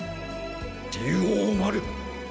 竜王丸。